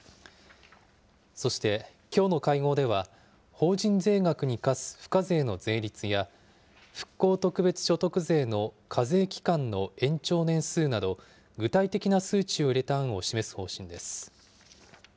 そして、きょうの会合では、法人税額に課す付加税の税率や、復興特別所得税の課税期間の延長年数など、具体的な数値を入れた案を示す方針です。